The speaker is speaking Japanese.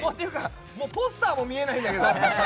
ポスターも見えないんだけど。